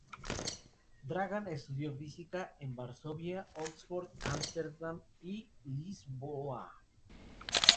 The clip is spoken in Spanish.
Dragan estudió física en Varsovia, Oxford, Amsterdam y Lisboa.